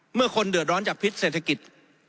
คนเดือดร้อนจากพิษเศรษฐกิจ